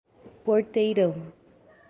Porteirão